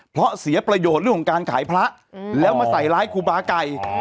เพราะเสียประโยชน์เรื่องของการขายพระแล้วมาใส่ร้ายครูบาไก่